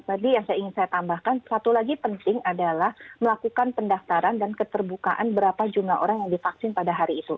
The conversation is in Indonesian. jadi yang saya ingin saya tambahkan satu lagi penting adalah melakukan pendaftaran dan keterbukaan berapa jumlah orang yang divaksin pada hari itu